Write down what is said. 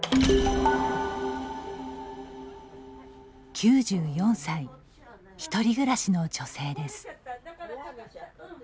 ９４歳、１人暮らしの女性です。